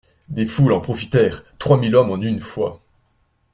Des foules en profitèrent, trois mille hommes en une fois.